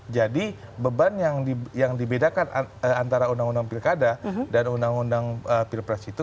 jadi beban yang dibedakan antara undang undang pilkada dan undang undang pilpres itu